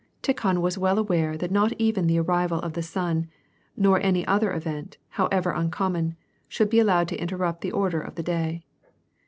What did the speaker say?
Tikhon was well aware that not even the arrival of the son, nor any other event, however nncommon, should be allowed to interrupt the order of the day.